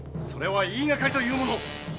それは言いがかりというもの！